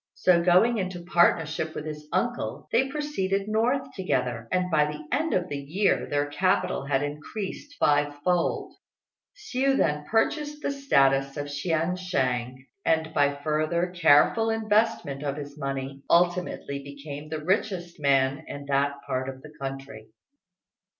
So going into partnership with his uncle, they proceeded north together; and by the end of the year their capital had increased five fold. Hsiu then purchased the status of chien shêng, and by further careful investment of his money ultimately became the richest man in that part of the country.